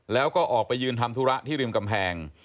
แล้วก็ออกไปยืนทำธุระที่ริมกำแพง